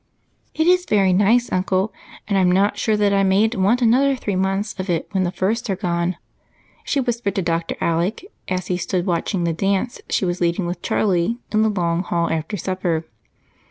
"It is very nice, Uncle, and I'm not sure I mayn't want another three months of it when the first are gone," she whispered to Dr. Alec as he stood watching the dance she was leading with Charlie in the long hall after supper.